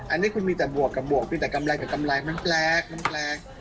อันนี้คุณมีจากบวกกับบวกแต่กำไรมันแปลก